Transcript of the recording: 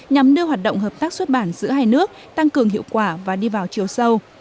nhằm đưa hoạt động hợp tác xuất bản giữa hai nước tăng cường hiệu quả và đi vào chiều sâu